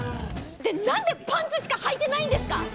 で何でパンツしかはいてないんですか！？